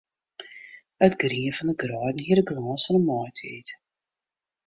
It grien fan 'e greiden hie de glâns fan 'e maitiid.